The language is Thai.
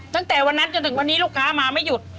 ตั้งแต่วันนั้นจนถึงวันนี้ลูกค้ามาไม่หยุด